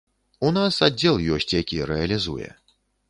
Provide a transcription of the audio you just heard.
У нас аддзел ёсць, які рэалізуе.